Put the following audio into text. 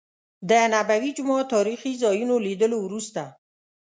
د نبوي جومات تاريخي ځا يونو لیدلو وروسته.